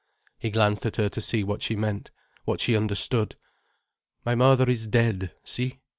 He glanced at her to see what she meant, what she understood. "My mother is dead, see!"